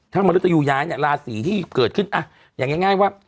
ถ้ามนุษยูย้ายเนี่ยราศีที่เกิดขึ้นอย่างง่ายว่า